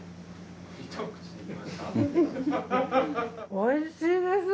おいしいです。